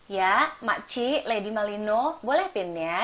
ya makci lady malino boleh pin ya